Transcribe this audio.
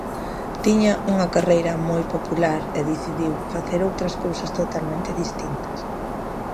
Tiña unha carreira moi popular e decidiu facer outras cousas totalmente distintas.